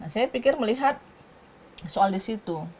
saya pikir melihat soal di situ